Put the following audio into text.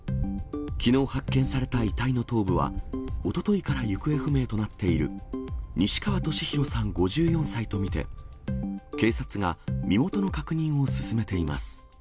きのう発見された遺体の頭部は、おとといから行方不明となっている西川俊宏さん５４歳と見て、警察が身元の確認を進めています。